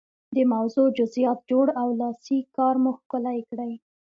د موضوع جزئیات جوړ او لاسي کار مو ښکلی کړئ.